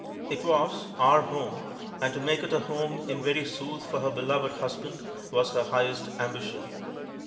It was "Our Home," and to make it a home in very sooth for her beloved husband was her highest ambition.